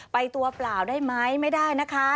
ตัวเปล่าได้ไหมไม่ได้นะคะ